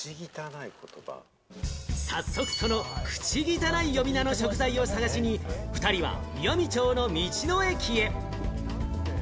早速その口汚い呼び名の食材を探しに２人は岩美町の道の駅へ。